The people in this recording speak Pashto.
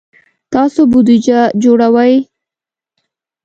تاسو بودیجه جوړوئ؟